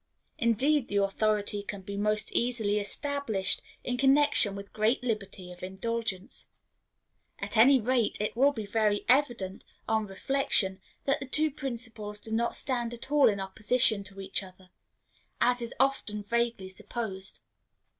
Indeed, the authority can be most easily established in connection with great liberality of indulgence. At any rate, it will be very evident, on reflection, that the two principles do not stand at all in opposition to each other, as is often vaguely supposed.